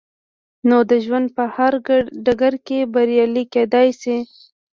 نو د ژوند په هر ډګر کې بريالي کېدای شئ.